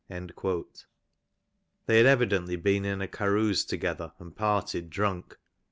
" They had evidently been in a carouse together and parted drunk.